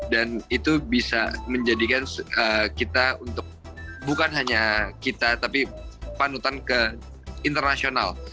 dan itu bisa menjadikan kita untuk bukan hanya kita tapi panutan ke internasional